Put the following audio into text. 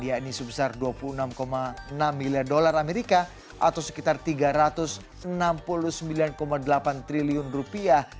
yakni sebesar dua puluh enam enam miliar dolar amerika atau sekitar tiga ratus enam puluh sembilan delapan triliun rupiah